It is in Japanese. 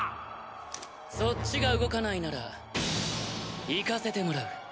そっちが動かないならいかせてもらう。